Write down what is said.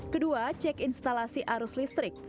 kedua cek instalasi arus listrik